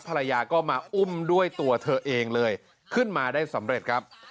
ภรรยาก็มาอุ้มด้วยตัวเธอเองเลยขึ้นมาได้สำเร็จครับ